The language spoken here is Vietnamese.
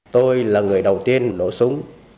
tôi là người đầu tiên nổ súng